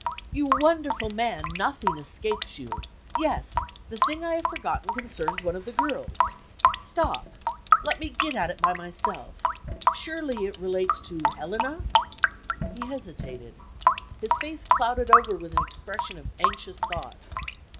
"You wonderful man! Nothing escapes you. Yes; the thing I have forgotten concerns one of the girls. Stop! Let me get at it by myself. Surely it relates to Helena?" He hesitated; his face clouded over with an expression of anxious thought.